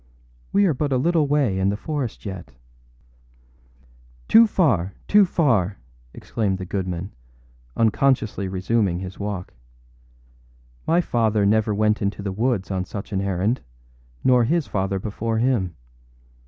We are but a little way in the forest yet.â âToo far! too far!â exclaimed the goodman, unconsciously resuming his walk. âMy father never went into the woods on such an errand, nor his father before him.